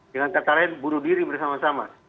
dengan kata lain bunuh diri bersama sama